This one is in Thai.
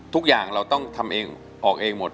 ทุกอย่างเราต้องทำเองออกเองหมด